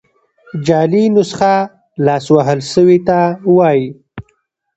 جعلي نسخه لاس وهل سوي ته وايي.